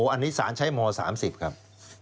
อันนี้สารใช้ม๓๐ครับ